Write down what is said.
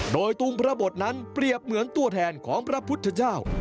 โดยตูงพระบทนั้นเปรียบเหมือนตัวแทนของพระพุทธเจ้า